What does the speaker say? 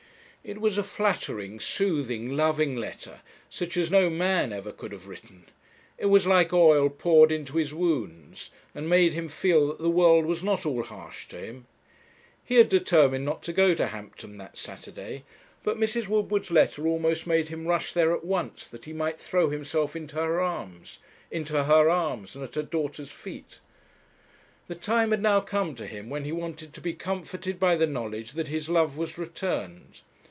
It was a flattering, soothing, loving letter, such as no man ever could have written. It was like oil poured into his wounds, and made him feel that the world was not all harsh to him. He had determined not to go to Hampton that Saturday; but Mrs. Woodward's letter almost made him rush there at once that he might throw himself into her arms into her arms, and at her daughter's feet. The time had now come to him when he wanted to be comforted by the knowledge that his love was returned.